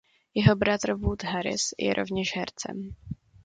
Jeho bratr Wood Harris je rovněž hercem.